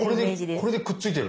これでくっついてる？